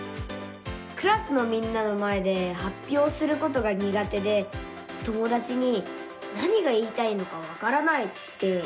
クラスのみんなの前ではっぴょうすることがにが手で友だちに「何が言いたいのかわからない」って言われちゃうんです。